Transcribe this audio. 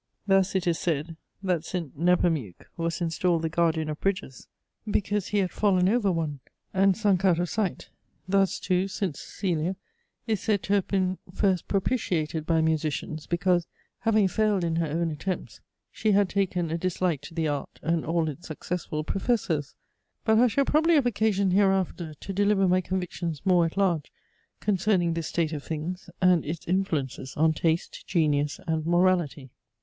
Thus it is said, that St. Nepomuc was installed the guardian of bridges, because he had fallen over one, and sunk out of sight; thus too St. Cecilia is said to have been first propitiated by musicians, because, having failed in her own attempts, she had taken a dislike to the art and all its successful professors. But I shall probably have occasion hereafter to deliver my convictions more at large concerning this state of things, and its influences on taste, genius and morality.